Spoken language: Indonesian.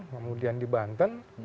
kemudian di banten